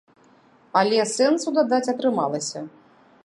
Але сэнсу дадаць атрымалася.